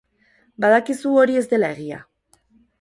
Badakizu hori ez dela egia.